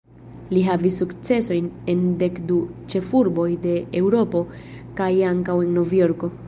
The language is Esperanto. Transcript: Li havis sukcesojn en dekdu ĉefurboj de Eŭropo kaj ankaŭ en Novjorko.